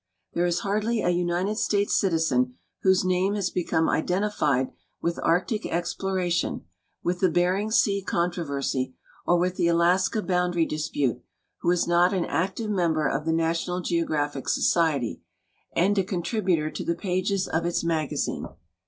There is hardly a United States citizen whose name has become identified with Arctic exploration, with the Bering sea contro versy, or with the Alaska boundary dispute who is not an active member of the National Geographic Society and a contributor to the pages of its magazine.